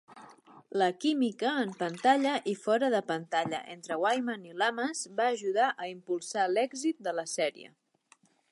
La química en pantalla i fora de pantalla entre Wyman i Lamas va ajudar a impulsar l'èxit de la sèrie.